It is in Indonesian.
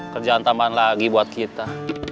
kerjaan tambahan lagi buat kita